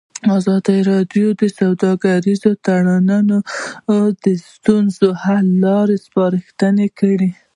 ازادي راډیو د سوداګریز تړونونه د ستونزو حل لارې سپارښتنې کړي.